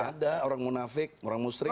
ada orang munafik orang muslim